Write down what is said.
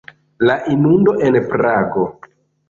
La inundo en Prago.